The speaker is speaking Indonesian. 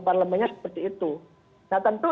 parlemennya seperti itu nah tentu